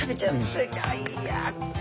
すギョい。